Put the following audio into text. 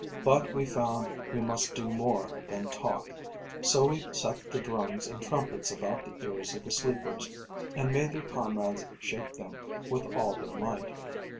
But we found we must do more than talk; so we set the drums and trumpets about the ears of the sleepers, and made their comrades shake them with all their might.